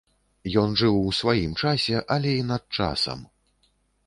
Ён жыў у сваім часе, але і над часам.